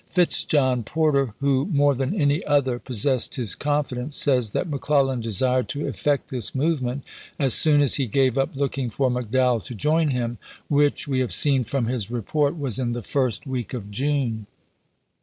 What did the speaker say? Fitz John Porter, vs^ho more than any other possessed his confidence, says that McClellan desired to effect this movement as soon as he gave up looking for McDowell to join him, which, we have seen from his report, was in the first '^' "Battles week of June.